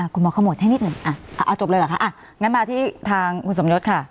คุณหมอขมวดให้นิดหนึ่งเอาจบเลยเหรอคะอ่ะงั้นมาที่ทางคุณสมยศค่ะ